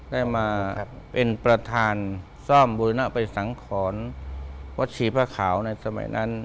ได้มาเป็นประธานซ่อมบูรณไปสังขรวัดชีพระขาวในสมัยนั้น